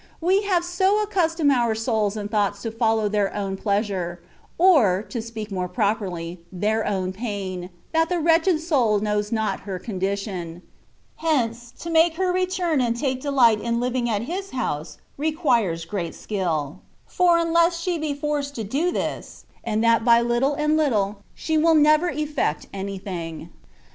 We have so accus tomed our souls and thoughts to follow their own pleasure, or (to speak more properly) their own pain, that the wretched soul knows not her con dition : hence, to make her return and take delight in living at His house requires great skill; for unless she be forced to do this^ and that by little THE WAY OF FEaFECTION. 129 and little, she will never effect anything.